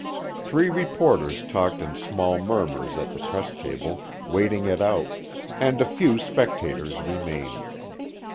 Three reporters talked in small murmurs at the press table, waiting it out, and a few spectators remained.